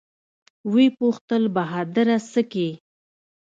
ويې پوښتل بهادره سه کې.